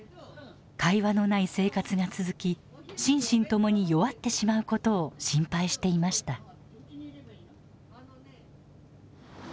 会話のない生活が続き心身ともに弱ってしまうことを心配していました。